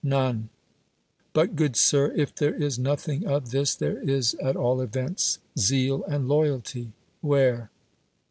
None. But, good sir, if there is nothing of this, tli(>re is at all events zeal and loyalty. Where?